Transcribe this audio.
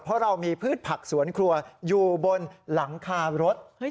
เพราะเรามีพืชผักสวนครัวอยู่บนหลังคารถ